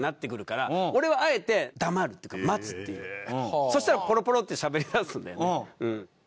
そしたらポロポロってしゃべりだすんだよね。